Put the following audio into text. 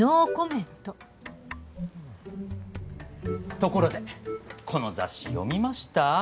ところでこの雑誌読みました？